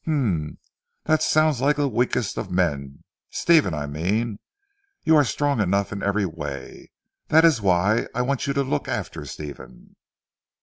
"H'm! That sounds like the 'weakest of men,' Stephen I mean. You are strong enough in every way. That is why I want you to look after Stephen."